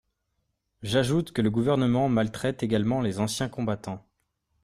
J’ajoute que le Gouvernement maltraite également les anciens combattants.